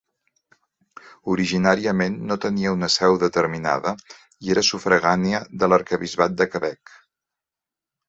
Originàriament no tenia una seu determinada, i era sufragània de l'arquebisbat de Quebec.